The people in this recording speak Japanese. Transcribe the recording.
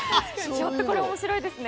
ちょっとこれ面白いですね。